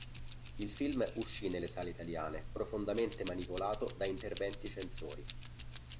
Il film uscì nelle sale italiane profondamente manipolato da interventi censori.